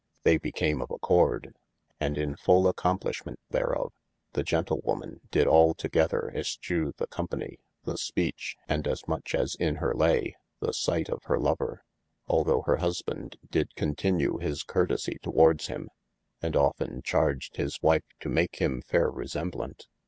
they became of accord : and in full accomplishment thereof, the gentlewoman dyd altogeather eschewe the company, the speach, and (as much as in hir laye) the sight of hir lover : although hir husband dyd continue his curtesie towards him, and often charged his wife to make him fayre resemblaunt.